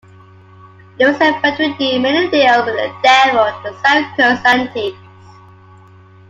Lewis Vendredi made a deal with the devil to sell cursed antiques.